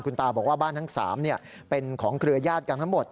ตาบอกว่าบ้านทั้ง๓เป็นของเครือญาติกันทั้งหมด